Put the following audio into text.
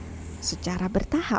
penerima manfaat secara bertahap